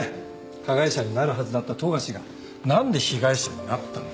加害者になるはずだった富樫が何で被害者になったのか。